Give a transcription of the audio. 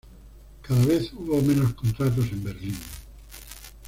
Cada vez hubo menos contratos en Berlín.